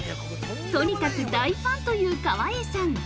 とにかく大ファンという川栄さん。